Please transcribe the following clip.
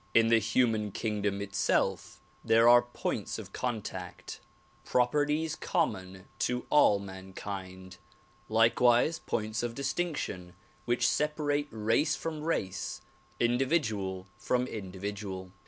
In the human kingdom itself there are points of contact, prop DISCOURSES DELIVEKKI) IX CHICAGO 65 ertics common to all mankind ; likewise points of distinction which separate race from race, individual from individual.